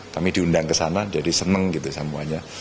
kami diundang kesana jadi senang gitu semuanya